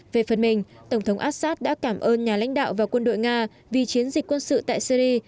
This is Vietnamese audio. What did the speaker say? về phần mình tổng thống assad đã cảm ơn nhà lãnh đạo và quân đội nga vì chiến dịch quân sự tại syri